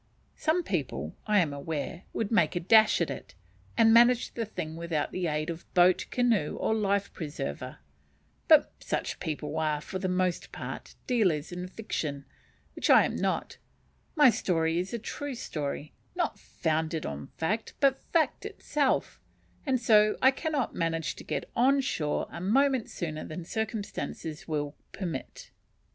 Some people, I am aware, would make a dash at it, and manage the thing without the aid of boat, canoe, or life preserver; but such people are, for the most part, dealers in fiction, which I am not: my story is a true story, not "founded on fact," but fact itself, and so I cannot manage to get on shore a moment sooner than circumstances will permit.